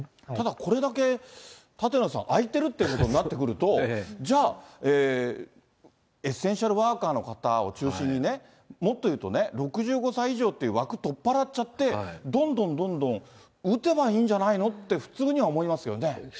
これだけ舘野さん、空いてるということになってくると、じゃあ、エッセンシャルワーカーの方を中心にね、もっと言うとね、６５歳以上って枠取っ払っちゃって、どんどんどんどん打てばいいんじゃないのって、普通には思いますけれどもね。